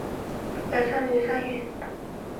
宜嫔死后与儿子同葬孝昌园。